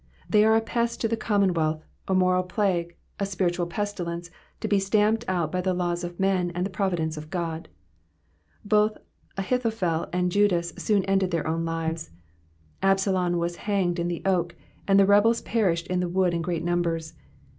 They are a pest to the commonwealth, a moral plague, a spiritual pestilence, to be stamped out by the laws of men and the providence of God. Both Ahithophel and Judas soon ended their own lives ; Absalom was hanged in the oak, and the rebels perished in the wood in great numbers.